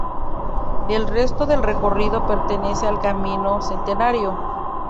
El resto del recorrido pertenece al Camino Centenario.